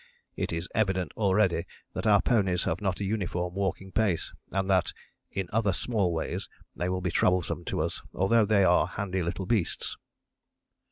It is evident already that our ponies have not a uniform walking pace and that in other small ways they will be troublesome to us although they are handy little beasts."